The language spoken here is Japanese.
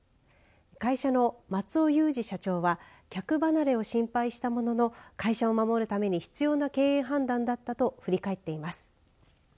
会社の松尾裕二社長は客離れを心配したものの会社を守るために必要な経営判断だったと振り返っています。